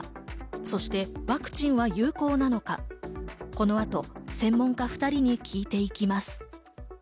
そしてワクチンは有効なのか、この後、専門家２人に聞いていきます。